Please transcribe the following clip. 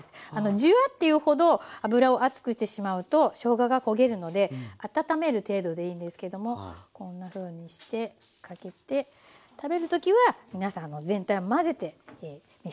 ジュワッていうほど油を熱くしてしまうとしょうがが焦げるので温める程度でいいんですけどもこんなふうにしてかけて食べる時は皆さん全体を混ぜて召し上がって頂ければと思います。